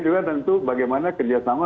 juga tentu bagaimana kerjasama